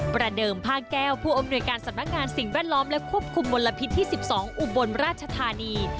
ประเดิมภาคแก้วผู้อำนวยการสำนักงานสิ่งแวดล้อมและควบคุมมลพิษที่๑๒อุบลราชธานี